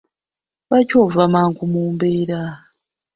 Lwaki ova mangu mu mbeera?